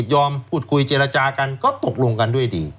ยอมพูดคุยเจรจากันก็ตกลงกันด้วยดี